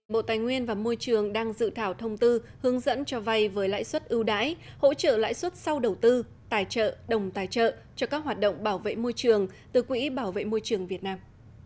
bộ tài nguyên và môi trường đang dự thảo thông tư hướng dẫn cho vay với lãi suất ưu đãi hỗ trợ lãi suất sau đầu tư tài trợ đồng tài trợ cho các hoạt động bảo vệ môi trường từ quỹ bảo vệ môi trường việt nam